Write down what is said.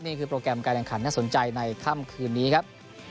โปรแกรมการแข่งขันน่าสนใจในค่ำคืนนี้ครับ